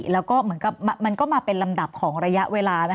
แล้วก็เหมือนกับมันก็มาเป็นลำดับของระยะเวลา